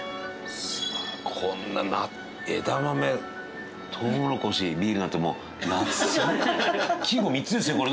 こんな枝豆トウモロコシビールなんてもう夏季語３つですよこれ。